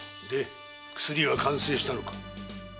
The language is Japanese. で薬は完成したのか？